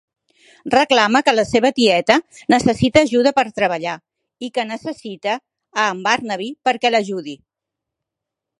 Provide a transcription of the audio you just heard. Reclama que la seva tieta necessita ajuda per treballar, i que necessita a en Barnaby perquè l'ajudi.